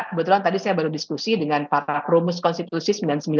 kebetulan tadi saya baru diskusi dengan para krumus konstitusi sembilan puluh sembilan dua ribu dua